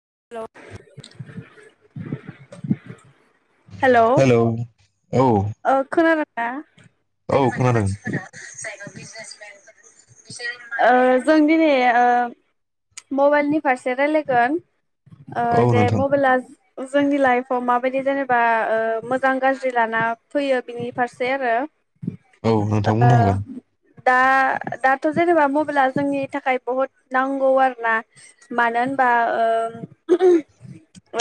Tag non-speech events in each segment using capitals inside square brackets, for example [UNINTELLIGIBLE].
हेल'। Hello औ। ओ खोनादों आ औ थारमाने खोनादों मानसिफोरा जाय ओ जों दिनै ओ मबाइलनि फारसे रायलायगोन। ओ औ जे नोंथां मबाइलास जोंनि लाइफआव माबायदि जेनेबा ओ मोजां गाज्रि लाना फैयो बिनि फारसे आरो। औ नोंथां ओ बुंनो हागोन। दा दाथ' जेनेबा मबेला जोंनि थाखाय बहत नांगौ आरोना मानो होनबा ओ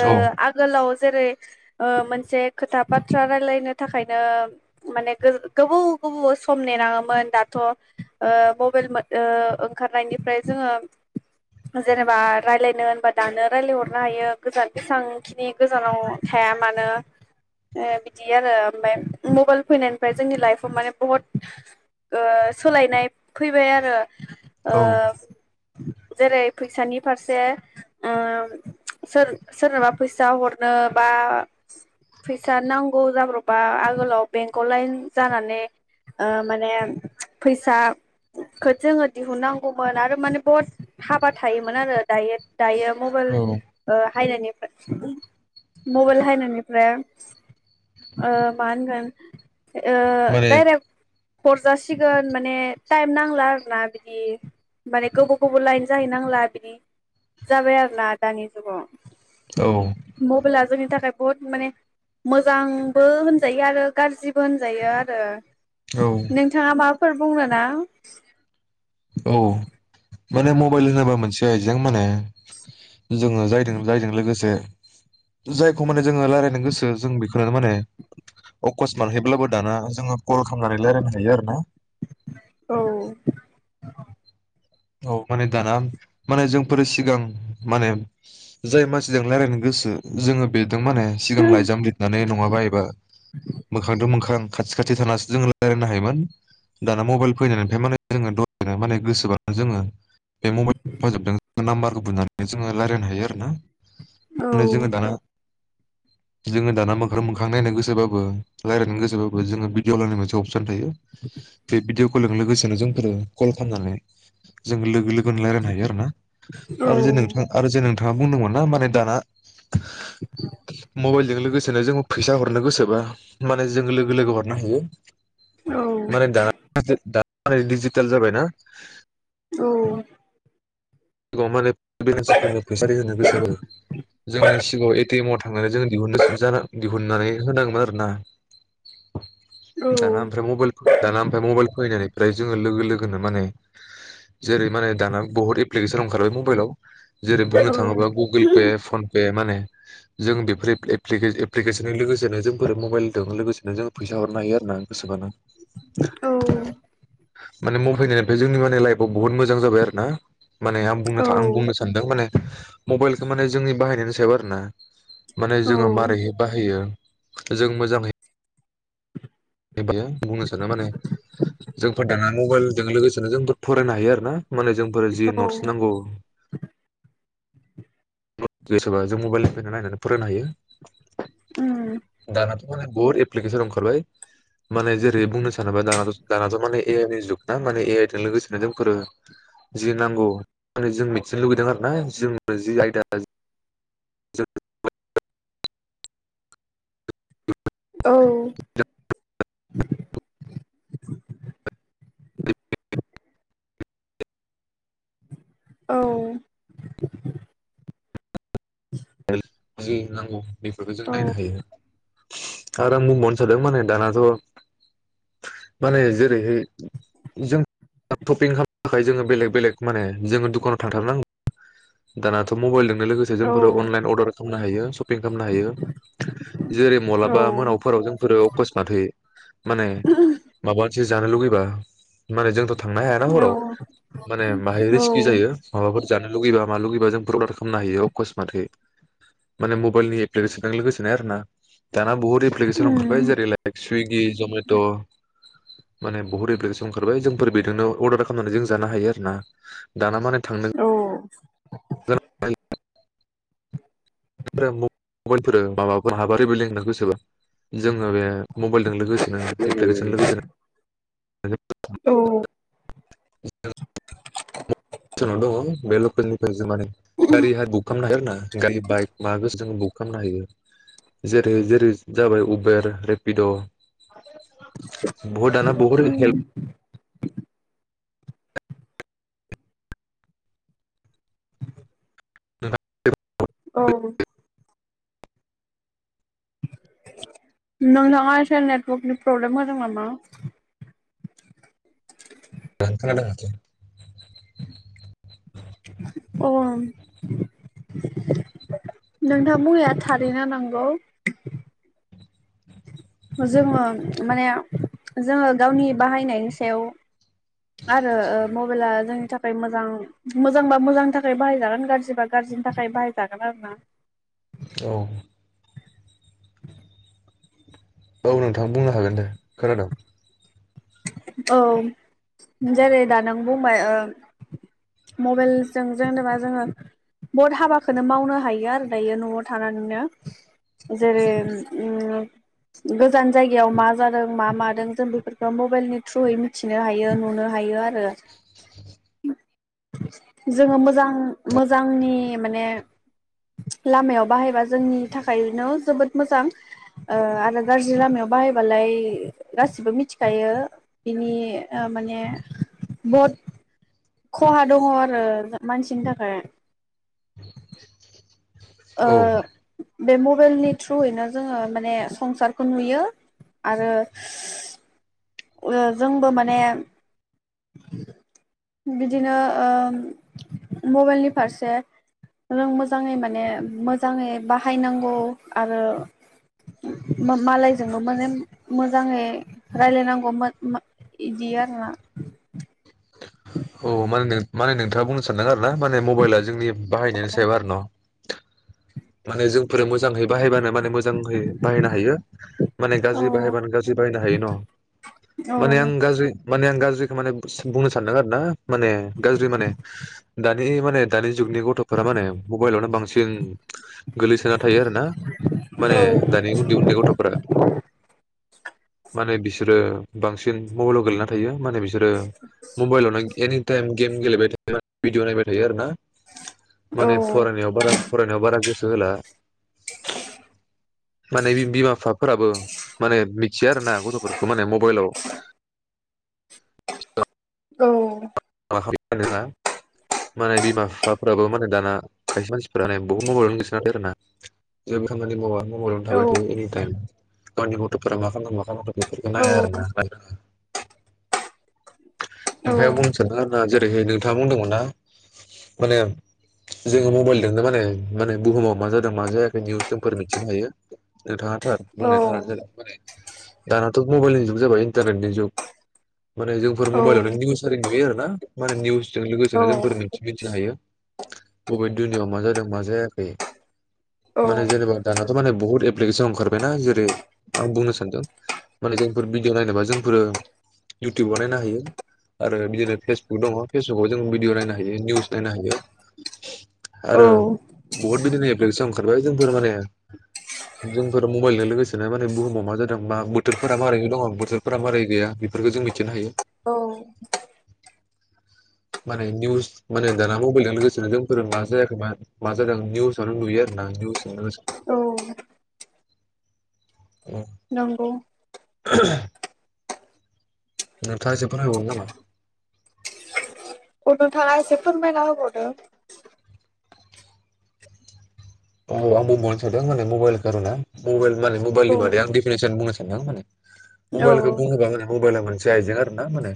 ओ औ आगोलाव जेरै ओ मोनसे खोथा बाथ्रा रायलायनो थाखायनो माने गोज गोबौ गोबौ सम नेनाङोमोन दाथ' ओ मबेल मो ओ ओंखारनायनिफ्राय जोङो जेनेबा रायलायनो होनबा दानो रायलायहरनो हायो गोजान जेसांखिनि गोजानाव थाया मानो ओ बिदि आरो। ओमबाय मबाइल फैनायनिफ्राय जोंनि लाइफआव माने बहत ओ सोलायनाय फैबाय आरो। ओ औ जेरै फैसानि फारसे ओ सोर सोरनोबा फैसा हरनो बा फैसा नांगौ जाब्रब बा आगोलाव बेंकआव लाइन जानानै ओ माने फैसाखो जोङो दिहुननांगौमोन आरो माने बहत हाबा थायोमोन आरो दायो दायो मबेल औ ओ हायनायनिफ्राय मबाइल हायनायनिफ्राय ओ मा होनगोन ओ माने डायरेक्ट हरजासिगोन माने टाइम नांला आरोना बिदि माने गोबाव गोबाव लाइन जाहैनांला बिदि जाबाय आरोना दानि जुगाव। औ मबेला जोंनि था खाय बहुत माने मोजां बो होनजायो आरो गाज्रिबो होनजायो आरो। औ नोंथाङा मा फोर बुंनोना। औ। माने मबाइल होनोबा मोनसे बेजों माने जोङो जायजों जायजों लोगोसे जायखौ माने जोङो रायलायनो गोसो जों बेखौनो माने अकसमानहैब्लाबो दाना जोङो कल खालामनानै रायलायनो हायो आरो ना। औ। औ माने दाना माने जोंफोरो सिगां माने जाय मानसिजों रायजलायनो गोसो जोङो बे जों माने सिगां लाइजाम लिरनानै नङाबा एबा मोखांजों मोखां खाथि-खाथि थानानैसो जोंङो रायजलायनो हायोमोन दाना मबाइल फैनायनिफ्राय माने जों दासेनो माने गोसोबा जोङो बे मबाइल फोजोबदों नाम्बारखौ बुंनानै जोङो रायज्लायनो हायो आरो ना औ माने जोङो दाना जोङो दाना मोखां-मोखां नायनो गोसोबाबो रायलायनो गोसोबाबो जोङो भिडिअ लायनाय मोनसे अपसन थायो बे भिदिअ कललों लोगोसेनो जोंफोर कल [UNINTELLIGIBLE] जों लोगो-लोगो रायलायनो हायो आरो ना आरो जे नोंथां आरो जे नोंथां आ बुंदोंमोन ना माने दाना मबाइलजों लोगोसेनो जों फैसा हर गोसोबा माने जों लोगो-लोगो हरनो हायो औ माने दा [UNINTELLIGIBLE] माने डिजिटेल जाबायना औ [UNINTELLIGIBLE] बे मानसिफोरनो फैसारि होनो गोसोबाबो [UNINTELLIGIBLE] सिगाङाव एटिएम थांनानै जोंङो दिहुननो [UNINTELLIGIBLE] दिहुननानै होनांगोन आरो ना औ दाना ओमफ्राय मबाइल दाना ओफ्राय मबाइल फैनानै ओमफ्राय जोङो लोगो-लोगोनो माने जेरै माने दाना बहुत एप्लिकेसन ओंखारबाय मबाइलाव जेरै बुंनो थाङोबा गुगोल पे फन पे माने जों बेफोर एप्लि-एप्लि- एप्लिकेसनजों लोगोसेनो जोंफोर मबाइलदों लोगोसेनो जों फैसा हरनो हायो आरो ना गोसोबानो औ माने मावफैनायनिफ्राय जोंनि माने लाइफआव बुहुत मोजां जाबाय आरो ना माने आं बुंनो था आं बुंनो औ सानदों माने मबाइलखौ माने जोंनि बाहायनायनि सायाव आरोना माने औ जोङो मारैय बाहायो जों मोजाङै बेब बुंनो सानो माने जोंफोर दाना मबाइलजों लोगोसेनो जोंबो फरायनो हायो आरो ना माने जोंफोर जि नटस नांगौ। गोसोबा जों मबाइलनिफ्राय नायनानै फरायनो हायो। उम दानाथ' माने बुहुत एप्केसन ओंखारबाय माने जेरै बुंनो सानोबा दानाथ दानाथ माने ए आइ जुग ना माने ए आइ जों लोगोसेनो जोंफोर जि नांगौ माने जों मिथिनो लुबैदों आरो ना जों जि आयदा [UNINTELLIGIBLE] औ [UNINTELLIGIBLE] औ जि नांगौ। बेफोरखौ जों नायनो हायो। आरो आं बुंबावनो सादों माने दानाथ माने जेरैहाय जों सपिं खालामनो थाखाय जोङो बेलेग बेलेग माने जोङो दुखानाव थांथारनांगौ। दानाथ मबाइलदों लोगोसे जोंफोरो औ उम अनलाइन अरदार खामनो हायो सपिं खामनो हायो जेरै मलाबा मोनावफोराव अकसमातहै माने माबा मोनसे जानो लुुबैबा माने जों थांनो हायाना हराव माने माहाय रिस्की जायो माबाफोर जानो लुगैबा मा लुुबैबा जोंफोर अरदार खालामनो हायो अकसमातै माने मबाइलनि एप्लिकेसनजों लोगोसे आरोना दाना बहुत एप्लिकेसन ओंखारबाय जेरैहाय रैेक्स सुइगि जमेट' माने बहुत एप्लिकेसन ओंखारबाय जोंफोर बेदोंनो अर्डार खामनानै जों जानो हायो आरो ना दाना माने थांनो औ [UNINTELLIGIBLE] मबाइलफोर माबाफोर हाबा रिबो लेंनो गोसोबा जोङो बे मबाइलदों लोगोसेनो एप्लिकेसन लोगोसेनो औ औ जोंङो [UNINTELLIGIBLE] सोरनाव दङ बे लकेलनिफ्राय जो माने दारि हार भुख खामनो हायो आरोना गारि बाइक मा गोसो जों बुक खालामनो हायो जेरै जेरै जाबाय उबेर रेपिड' बहद दाना बहर हेल्प उम [UNINTELLIGIBLE] औ नोंथाङा एसे नेटवर्कनि प्रब्लेम होदों नामा? [UNINTELLIGIBLE] अ नोंथां बुं नोंथाङा बुंनाया थारैनो नंगौ। जोङो माने जोङो गावनि बाहायनायनि सायाव आरो ओ मबेला जोंनि थाखा खाय मोजां मोजांबा मोजांनि थाखाय बाहायजागोन गाज्रिबा गाज्रिनि थाखाय बाहायजागोन आरो ना औ [INAUDIBLE] औ नोंथां बुंनो हागोन दे खोनादों, औ जेरै दा नों, बौ माइ ओ मबाइलजों जेनेबा जोङो बहुद हाबाखौनो मावनो हायो आरो दायो न'आव थानानैनो जेरै उम गोजान जायगायाव मा जादों मा मादों जों बेफोरफोरखौ मबाइलनि थ्रुयै मिथिनो हायो नुनो हायो आरो जोङो मोजां मोजांनि माने लामायाव बाहायबा जोंनि थाखायनो जोबोद मोजां आरो ओ गाज्रि लामायाव बाहायबालाय गासिबो मिथिखायो, बिनि ओ माने बद, खहा दङ आरो मानसिनि थाखाय, ओ औ बे मबाइलनि थ्रुयैनो जोङो माने संसारखौ नुयो आरो ओ जोंबो माने बिदिनो ओ मबाइलनि फारसे जों मोजाङै माने, मोजाङै बाहायनांगौ आरो मालायजोंबो माने मोजाङै रायलायनांगौ इदि आरोना, [INAUDIBLE] औ माने माने नोंथाङा बुंनो सानदों आरो ना माने मबाइला जोंनि बाहायनायनि सायाव आरो न' माने जों फोरो मोजां है बाहायबानो माने मोजां है बाहायनो हायो माने औ गाज्रि बाहायबानो गाज्रि बायनो हायो न' माने आं गाज्रि माने आं जेखो बुंनो सानदों आरो ना माने गाज्रि माने दा, दे माने दानि जुगनि गथ'फोरा माने मबाइलावनो बांसिन गोलैसोना थायो आरो ना माने दानि उन्दै उन्दै गथ'फोरा माने बिसोरो, बांसिन मबाइलाव गेलैना थायो। माने बिसोरो मबाइलाव एनिटाइम गेम गेलेबाय थायो माने भिडिअ नायबाय थायो आरो ना? औ माने फरायनायाव बारा फरायनायाव बारा गोसो होला माने बिमा बिफाफोराबो माने मिथिया आरो ना गथ'फोरखौ माने मबाइलाव, औ [UNINTELLIGIBLE] बिमा बिफाफोराबो माने दाना खायसे मानसिफोरा बहुद मबाइलनो गोसो आरो ना जेबो खामानि मावा, मबाइलावनो थाबायथायो एनिटाइम गावनि गथ'फोरा मा खालामदों मा खालामदों बेफोरखौ नाया आरोना ना ओनफाय बुंसै, नोंथांमोना जेरैहाय नोंथाङा बुंदोंमोन ना माने जोङो मबाइलजोंनो माने माने बुहुमाव मा जादों मा जायाखै निउस जोंफोर मिथिनो हायो नोंथाङााथार बुंनाय दानो जादों माने दानाथ' मबाइलनि जुग जाबाय इन्टारनेटनि जुग माने जोंफोर मबाइलावनो निउस ओरै नुयो आरो ना माने निउस जों लोगोसेनो जोंफोर मोनथि मिथिनो हायो। बबे दुनियाव मा जादों मा जायाखै माने जेनेबा दानाथ' माने बहुद एप्लिकेसन ओंखारबायना जेरै आं बुंनो सानदों माने जोंफोर भिडिअ नायनोबा जोंफोरो इउटुबाव नायनो हायो आरो बिदिनो, फेसबुक दङ फेसबुकाव जों भिडिअ नायनो हायो निउस नायनो हायो आरो बहुद बिदिनो एप्लिकेसन ओंखारबाय जोंफोर माने जोंफोर मबाइलजों लोगोसेनो माने बुहुमाव मा जादों मा बोथोरफोरा मारैनो दङ बोथोरफोरा मारै गैया बेफोरखौ जों मिथिनो हायो। माने निउस माने दाना मबाइलजों लोगोसेनो जोंफोर मा जायाखै मा मा जादों निउस आनो नुयो निउस लोगोसेयैनो नंगौ [INAUDIBLE] नोंथाङा एसे फोरमायबावनो नामा? औ नोंथाङा एसे फोरमायना होबावदो, औ आं बुंबावनो सानदों माने मबाइल खार'ना मबाइल माने मबाइलनि औ बारै आं डिफिनेसन बुंनो सानदों माने, औ मबाइलखौ बुङोबा मोने मबाइला मोनसे आइजें आरो ना माने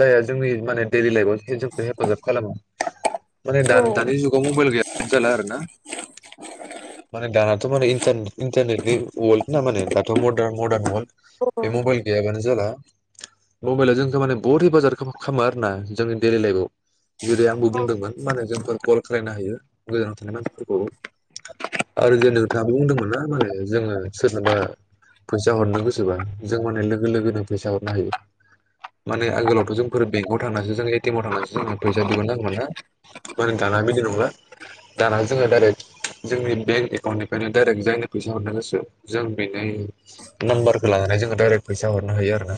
जायहा जोंनि माने दैडलि लाइफआव जोंखौ हेफाजाब खालामो माने औ दा-दानि जुगाव मबाइल गैयानो जाला आरो ना माने दानाथ' माने इन्टारनेट इन्टारनेटनि वर्ल्ड ना माने दाथ' मडार्न मदार्न वर्ल्ड औ बे मबाइल गैयाबानो जाला। मबाइला जोंखौ माने बुहुत हेफाजाब खामो खालामो आरोना जोंनि डेलि लाइफआव जेरै आंबो बुंदोंमोन माने जोंफोर कल खालायनो हायो गोजानाव थानाय मानसिफोर फोरखौ। आरो जों नोंथाङाबो बुंदोंमोन ना माने जोङो सोरनोबा फैसा हरनो गोसोबा जों माने लोगो लोगोनो फैसा हरनो हायो माने आगोलावथ' जोंफोर बेंकआव थांनासो जों एटिएम आव थांनासो जोङो फैसा दिहुननांगौमोन ना माने दाना बिदि नंला दाना जोङो दडायरेक्ट जोंनि बेंक एकाउन्टनिफ्रायनो डायरेक्ट जायनि फैसा हरनो गोसो जों बिनि नाम्बारखौ लानानै जोङो डाइरेक्ट फैसा हरनो हायो आरो ना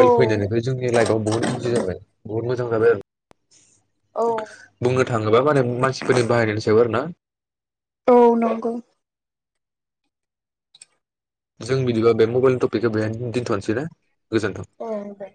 औ फैनायनिफ्राय जोंनि लाइफआव बुहुत इजि जाबाय बुहुत मोजां जाबाय आरो औ बुंनो थाङोबा माने मानसिफोरनि बाहाय याव आरो ना? औ, नंगौ। जों बिदिबा बे मबाइलनि टपिकखौ बेहाय दोनथ'नोसैना? गोजोनथों। औ दे